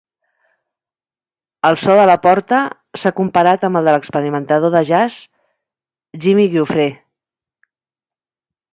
El so de LaPorta s'ha comparat amb el del experimentador de jazz Jimmy Giuffre.